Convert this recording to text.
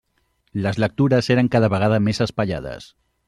Les lectures eren cada vegada més espaiades.